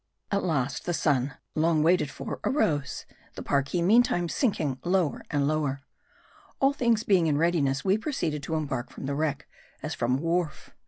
At last, the sun long waited for arose ; the Parki meantime sinking lower and lower. All things being in readiness, we proceeded to embark from the wreck, as from a wharf.